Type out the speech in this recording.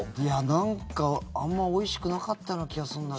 なんかあんまおいしくなかったような気がするんだよな。